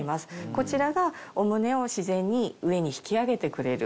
こちらがお胸を自然に上に引き上げてくれる。